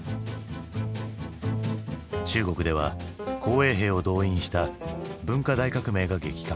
中国では紅衛兵を動員した文化大革命が激化。